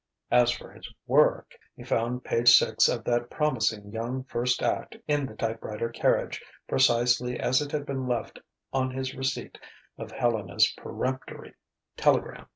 As for his work.... He found page 6 of that promising young first act in the typewriter carriage, precisely as it had been left on his receipt of Helena's peremptory telegram.